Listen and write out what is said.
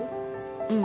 うん。